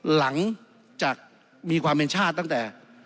หลังจากมีความเป็นชาติตั้งแต่